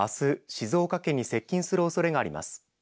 静岡県に接近するおそれがあります。